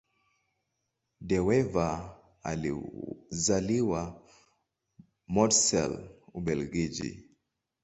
De Wever alizaliwa Mortsel, Ubelgiji.